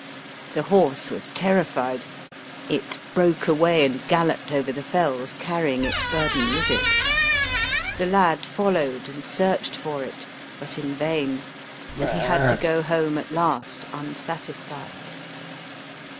The horse was terrified. It broke WASTWATER FROM STY HEAD PASS away and galloped over the fells, carrying its burden with it. The lad followed and searched for it, but in vain, and he had to go home at last, unsatisfied.